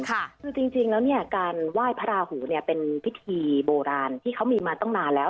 คือจริงแล้วเนี่ยการไหว้พระราหูเนี่ยเป็นพิธีโบราณที่เขามีมาตั้งนานแล้ว